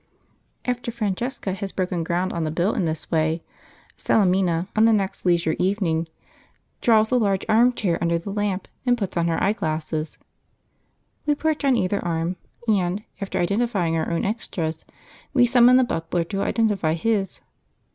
After Francesca had broken ground on the bill in this way, Salemina, on the next leisure evening, draws a large armchair under the lamp and puts on her eye glasses. We perch on either arm, and, after identifying our own extras, we summon the butler to identify his.